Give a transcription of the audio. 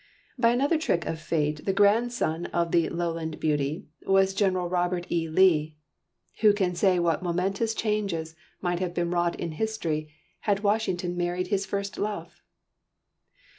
By another trick of fate the grandson of the "Lowland Beauty" was Gen. Robert E. Lee. Who can say what momentous changes might have been wrought in history had Washington married his first love?